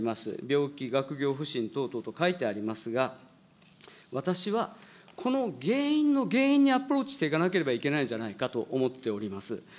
その原因はその表の右半分にあります、病気、学業不振等々と書いてありますが、私はこの原因の原因にアプローチしていかなきゃいけないんじゃないかと思っております。